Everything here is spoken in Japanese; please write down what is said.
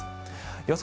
予想